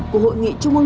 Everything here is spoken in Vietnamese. của hội nghị trung ương